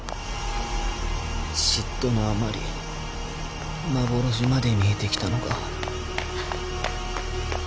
嫉妬のあまり幻まで見えてきたのか？